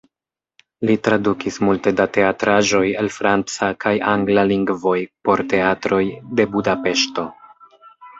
Li tradukis multe da teatraĵoj el franca kaj angla lingvoj por teatroj de Budapeŝto.